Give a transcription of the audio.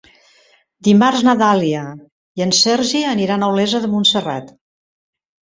Dimarts na Dàlia i en Sergi aniran a Olesa de Montserrat.